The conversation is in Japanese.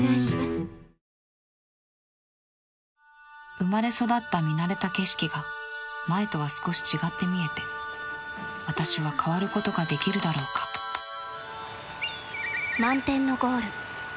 生まれ育った見慣れた景色が前とは少し違って見えて私は変わることができるだろうか「満天のゴール」。